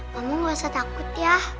kamu gak usah takut ya